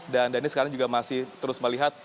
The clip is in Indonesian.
dan dhani sekarang juga masih terus melihat